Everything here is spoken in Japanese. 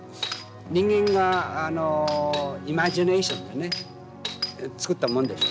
人間がイマジネーションでね作ったもんでしょ。